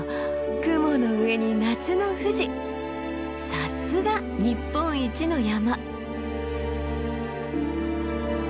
さすが日本一の山！